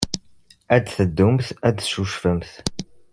Ad teddumt ad teccucfemt.